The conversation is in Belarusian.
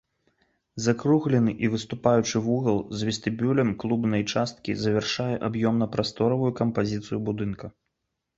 Закруглены і выступаючы вугал з вестыбюлем клубнай часткі завяршае аб'ёмна-прасторавую кампазіцыю будынка.